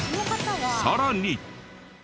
さらに。